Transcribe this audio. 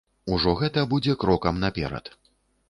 Ужо гэта будзе крокам наперад.